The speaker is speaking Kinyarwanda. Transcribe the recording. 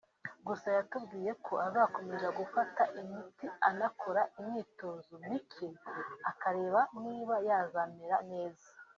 Gusa yatubwiye ko azakomeza gufata imiti anakora imyitozo mike akareba niba yazamera neza